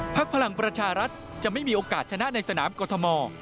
พลังประชารัฐจะไม่มีโอกาสชนะในสนามกรทม